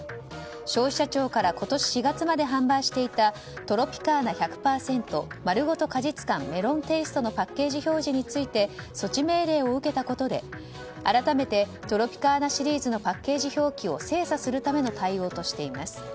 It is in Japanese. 消費者庁から今年４月まで販売していたトロピカーナ１００％まるごと果実感メロンテイストのパッケージ表示について措置命令を受けたことで改めて、トロピカーナシリーズのパッケージ表記を精査するための対応としています。